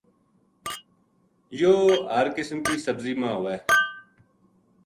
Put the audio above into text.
یوہ ہر قسم کی سبزی ما ہووے۔